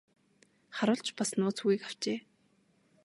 Харуул ч бас нууц үгийг авчээ.